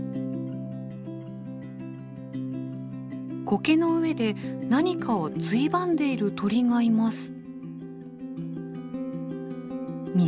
コケの上で何かをついばんでいる鳥がいます。